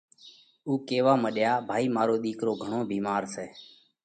اُو ڪيوا مڏيو: ڀائِي مارو ۮِيڪرو گھڻو ڀيمار سئہ،